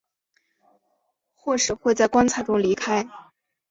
或是会在棺材中离开。